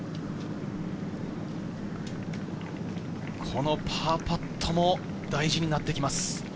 このパーパットも大事になってきます。